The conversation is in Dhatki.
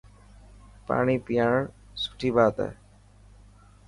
ٽاڻي پياڻڻ سٺي بات هي.